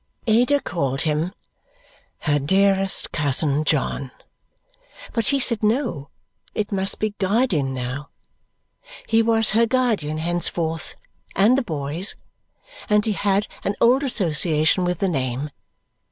Ada called him "her dearest cousin, John." But he said, no, it must be guardian now. He was her guardian henceforth, and the boy's; and he had an old association with the name.